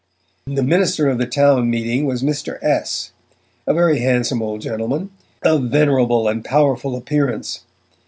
The minister of the town meeting was Mr. S., a very handsome old gentleman, of venerable and powerful appearance.